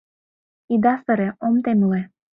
— Ида сыре, ом темле.